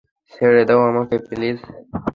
ছেড়ে দাও আমাকে প্লিজ।